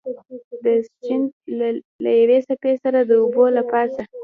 د سیند له یوې څپې سره د اوبو له پاسه.